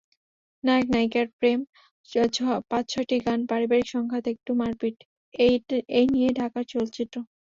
নায়ক-নায়িকার প্রেম, পাঁচ-ছয়টি গান, পারিবারিক সংঘাত, একটু মারপিট—এই নিয়েই ঢাকার চলচ্চিত্র।